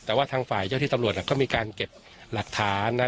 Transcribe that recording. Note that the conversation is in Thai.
แต่ว่าทางฝ่ายเจ้าที่ตำรวจก็มีการเก็บหลักฐานนะ